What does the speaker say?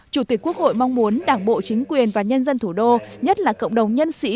chủ tịch quốc hội mong muốn đảng bộ chính quyền và nhân dân thủ đô nhất là cộng đồng nhân sĩ